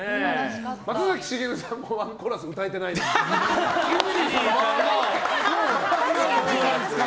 松崎しげるさんもワンコーラス歌えてないのにね。